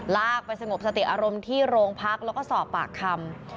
ไปสงบสติอารมณ์ที่โรงพักแล้วก็สอบปากคำ